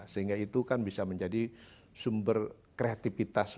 sehingga itu kan bisa menjadi sumber kreativitas